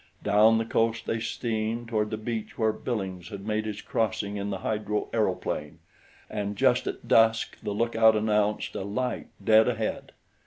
Down the coast they steamed toward the beach where Billings had made his crossing in the hydro aeroplane and just at dusk the lookout announced a light dead ahead.